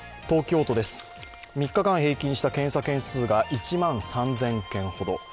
東京都です、３日間平均した検査件数が１万３０００件ほど。